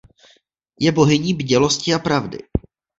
Je bohyní bdělosti a pravdy.